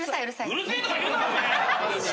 うるせえとか言うな！